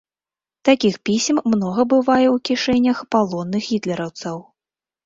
Такіх пісем многа бывае ў кішэнях палонных гітлераўцаў.